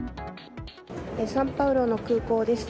サンパウロの空港です。